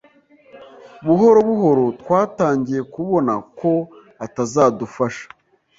Buhoro buhoro twatangiye kubona ko atazadufasha.